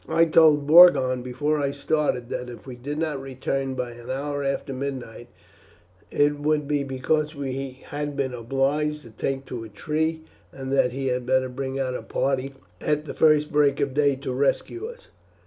I told Borgon before I started that if we did not return by an hour after midnight it would be because we had been obliged to take to a tree, and that he had better bring out a party at the first break of day to rescue us."